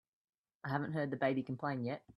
I haven't heard the baby complain yet.